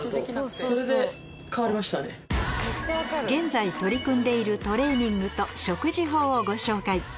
現在取り組んでいるトレーニングと食事法をご紹介